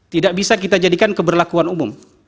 tidak bisa kita jadikan keberlakuan umum